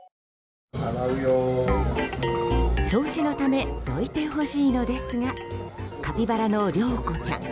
掃除のためどいてほしいのですがカピバラの、りょうこちゃん